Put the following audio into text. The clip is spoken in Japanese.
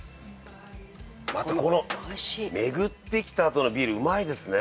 またこの巡ってきたあとのビールうまいですね。